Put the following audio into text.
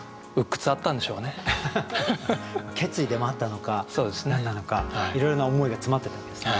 決意でもあったのか何なのかいろいろな思いが詰まってたわけですね。